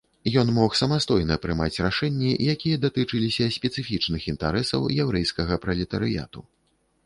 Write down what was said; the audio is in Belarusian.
Ён мог самастойна прымаць рашэнні, якія датычыліся спецыфічных інтарэсаў яўрэйскага пралетарыяту.